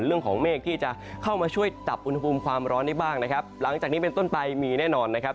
เรื่องของเมฆที่จะเข้ามาช่วยจับอุณหภูมิความร้อนได้บ้างนะครับหลังจากนี้เป็นต้นไปมีแน่นอนนะครับ